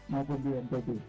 maupun di nkb